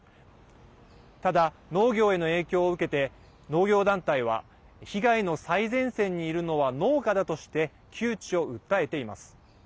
ただ、農業への影響を受けて農業団体は被害の最前線にいるのは農家だとして窮地を訴えています。